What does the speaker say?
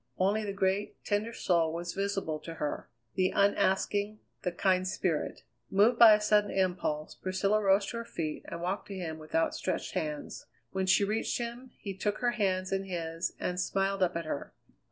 Only the great, tender soul was visible to her; the unasking, the kind spirit. Moved by a sudden impulse, Priscilla rose to her feet and walked to him with outstretched hands; when she reached him he took her hands in his and smiled up at her.